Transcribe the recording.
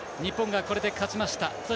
日本が、これで勝ちました。